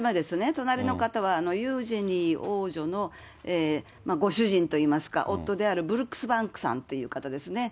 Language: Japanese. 隣の方はユージニー王女のご主人といいますか、夫であるブルックス・バンクさんという方ですね。